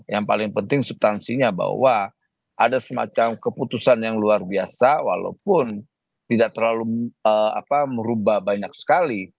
yang paling penting subtansinya bahwa ada semacam keputusan yang luar biasa walaupun tidak terlalu merubah banyak sekali